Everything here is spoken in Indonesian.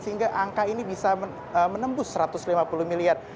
sehingga angka ini bisa menembus satu ratus lima puluh miliar